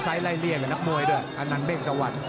ไซด์ไล่เรียกกับนักมวยด้วย